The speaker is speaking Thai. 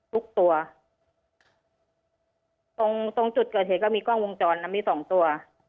ทุกตัวตรงตรงจุดเกิดเหตุก็มีกล้องวงจรนะมีสองตัว